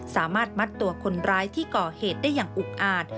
สามารถมัดตัวคนร้ายที่ก่อเหตุได้อย่างอุกอาจ